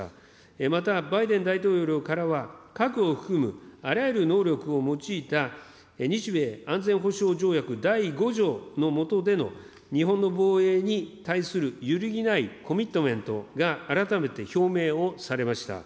また、バイデン大統領からは、核を含むあらゆる能力を用いた日米安全保障条約第５条の下での日本の防衛に対する揺るぎないコミットメントが改めて表明をされました。